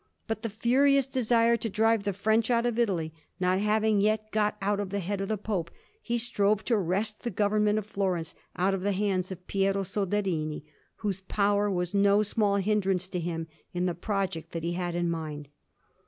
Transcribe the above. But the furious desire to drive the French out of Italy not having yet got out of the head of the Pope, he strove to wrest the government of Florence out of the hands of Piero Soderini, whose power was no small hindrance to him in the project that he had in mind.